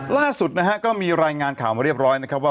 ล่าสุดนะฮะก็มีรายงานข่าวมาเรียบร้อยนะครับว่า